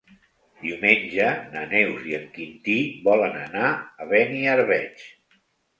Diumenge na Neus i en Quintí volen anar a Beniarbeig.